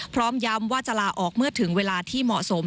พร้อมย้ำว่าจะลาออกเมื่อถึงเวลาที่เหมาะสม